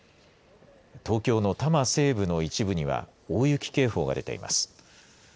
東京の多摩西部の一部には大雪警報が出ています。